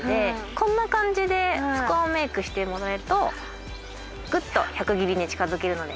こんな感じでスコアメイクしてもらえるとぐっと１００切りに近づけるので。